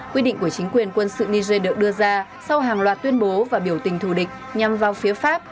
quyết định của chính quyền quân sự niger được đưa ra sau hàng loạt tuyên bố và biểu tình thù địch nhằm vào phía pháp